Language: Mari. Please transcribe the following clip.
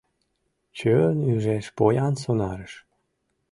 Чон ӱжеш поян сонарыш: